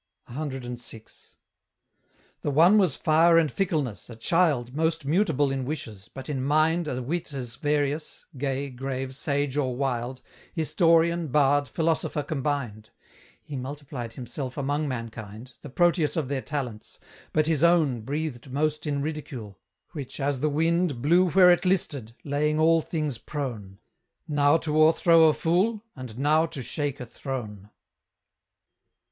CVI. The one was fire and fickleness, a child Most mutable in wishes, but in mind A wit as various, gay, grave, sage, or wild, Historian, bard, philosopher combined: He multiplied himself among mankind, The Proteus of their talents: But his own Breathed most in ridicule, which, as the wind, Blew where it listed, laying all things prone, Now to o'erthrow a fool, and now to shake a throne.